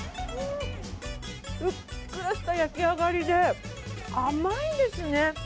ふっくらした焼き上がりで、甘いですね。